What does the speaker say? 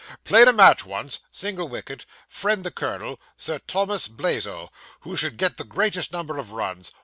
Played a match once single wicket friend the colonel Sir Thomas Blazo who should get the greatest number of runs.